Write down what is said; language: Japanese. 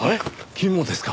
君もですか。